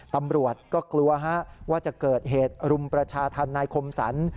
ตำรวจก็กลัวว่าจะเกิดเหตุรุมประชาธรรมนายคมสรร